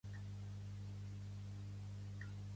Com es diu a Zegama?